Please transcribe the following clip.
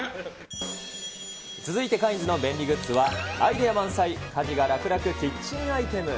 続いてカインズの便利グッズは、アイデア満載家事が楽々キッチンアイテム。